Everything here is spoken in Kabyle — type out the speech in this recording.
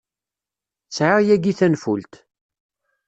Sɛiɣ yagi tanfult.